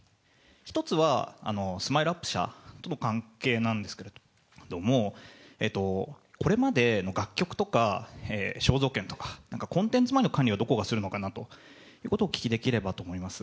一つは、スマイルアップ社との関係なんですけども、これまでの楽曲とか肖像権とか、なんかコンテンツ周りの管理をどこがするのかなということをお聞きできればと思います。